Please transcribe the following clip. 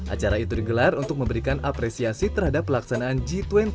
acara itu digelar untuk memberikan apresiasi terhadap pelaksanaan g dua puluh